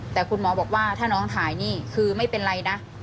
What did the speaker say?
แต่คุณหมอบอกว่าถ้าน้องถ่ายนี่คือไม่เป็นไรนะ